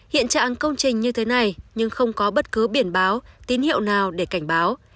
hiện trạng công trình như thế này nhưng không có bất cứ biển báo tín hiệu nào để cảnh báo